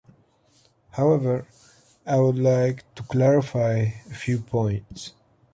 However, I would like to clarify a few points.